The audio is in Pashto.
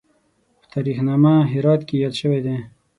په تاریخ نامه هرات کې یاد شوی دی.